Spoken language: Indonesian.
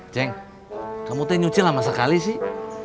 ceng kamu teh nyuci lama sekali sih